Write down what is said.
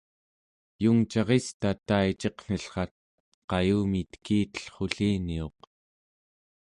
yungcarista taiciqnillrat qayumi tekitellrulliniuq